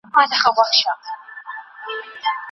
ګټیالی به تر کله په تمه وې.